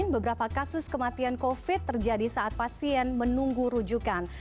beberapa kasus kematian covid terjadi saat pasien menunggu rujukan